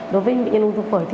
đối với bệnh nhân ung thư phổi